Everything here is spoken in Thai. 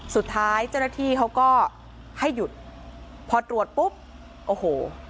สุดท้ายเจ้าหน้าที่เขาก็ให้หยุดพอตรวจปุ๊บโอ้โห